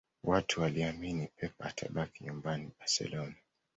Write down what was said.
Watu waliamini Pep atabaki nyumbani Barcelona